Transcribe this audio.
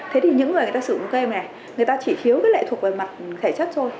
thế thì những người sử dụng game này người ta chỉ thiếu lệ thuộc vào mặt thể chất thôi